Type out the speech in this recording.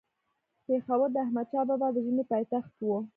پيښور د احمدشاه بابا د ژمي پايتخت وو